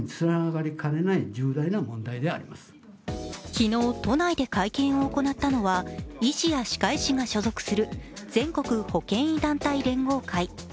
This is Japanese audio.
昨日、都内で会見を行ったのは医師や歯科医師が所属する全国保険医団体連合会。